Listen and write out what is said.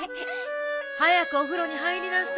早くお風呂に入りなさい